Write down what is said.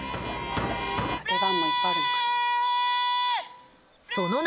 出番もいっぱいあるのかな。